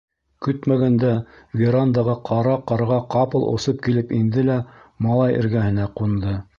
Көтмәгәндә верандаға Ҡара ҡарға ҡапыл осоп килеп инде лә малай эргәһенә ҡунды.